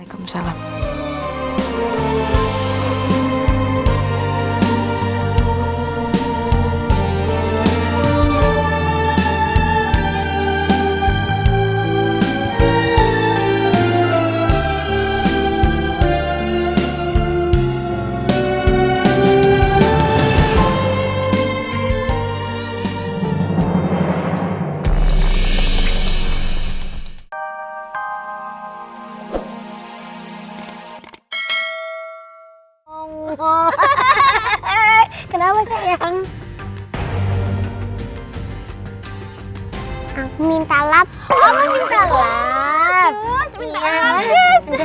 assalamualaikum warahmatullahi wabarakatuh